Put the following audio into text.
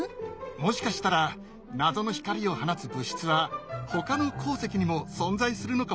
もしかしたら謎の光を放つ物質はほかの鉱石にも存在するのかもしれないね。